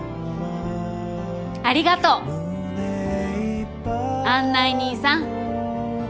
ありがとう案内人さん。